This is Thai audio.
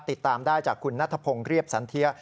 ติดตามได้จากคุณนัทพงศ์เรียบสันเทีย